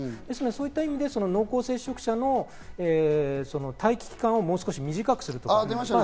そういう意味で濃厚接触者の待機期間をもう少し短くするとか。